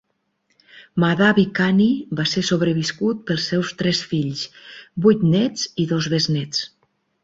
Mahdavi Kani va ser sobreviscut pels seus tres fills, vuit néts i dos besnéts.